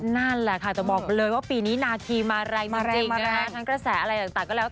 นะคะทั้งกระแสอะไรต่างก็แล้ว